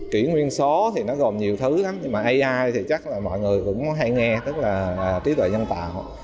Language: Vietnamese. kỹ nguyên số thì nó gồm nhiều thứ lắm nhưng mà ai thì chắc là mọi người cũng hay nghe tức là trí tuệ nhân tạo